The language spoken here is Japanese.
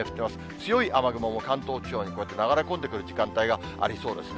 強い雨雲も関東地方にこうやって流れ込んでくる時間帯がありそうですね。